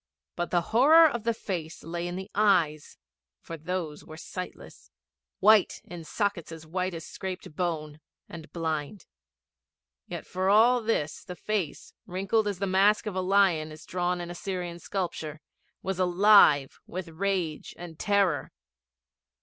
But the horror of the face lay in the eyes, for those were sightless white, in sockets as white as scraped bone, and blind. Yet for all this the face, wrinkled as the mask of a lion is drawn in Assyrian sculpture, was alive with rage and terror.